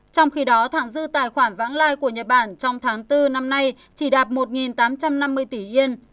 trong khi đó thẳng dư tài khoản vãng lai của nhật bản trong tháng bốn năm nay chỉ đạt một tám trăm năm mươi tỷ yên